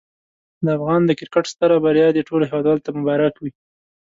د افغانستان د کرکټ ستره بریا دي ټولو هېوادوالو ته مبارک وي.